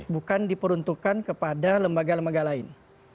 bukan diperuntukkan kepada lembaga lembaga lain